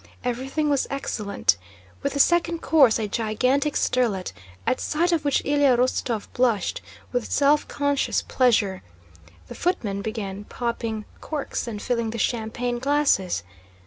Everything was excellent. With the second course, a gigantic sterlet (at sight of which Ilyá Rostóv blushed with self conscious pleasure), the footmen began popping corks and filling the champagne glasses.